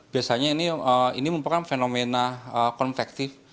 biasanya ini merupakan fenomena konvektif